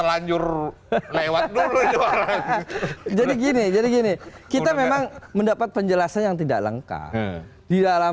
lanjut lewat dulu jadi gini jadi gini kita memang mendapat penjelasan yang tidak lengkap di dalam